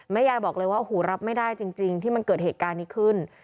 ยายบอกเลยว่าโอ้โหรับไม่ได้จริงที่มันเกิดเหตุการณ์นี้ขึ้น